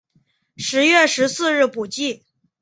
十月十四日补记。